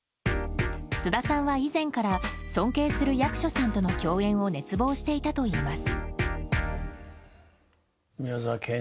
菅田さんは以前から尊敬する役所さんとの共演を熱望していたといいます。